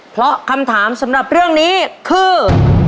เพราะคำถามสำหรับเรื่องนี้คือ